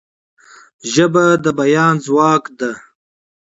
ژبه د بیان ځواک ده.